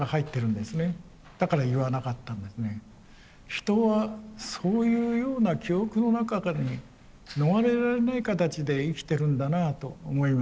人はそういうような記憶の中に逃れられない形で生きてるんだなあと思います。